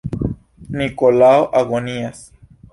Nikolao agonias.